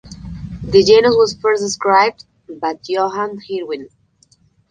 The genus was first described by Johann Hedwig.